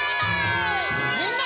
みんな！